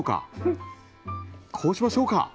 こうしましょうか。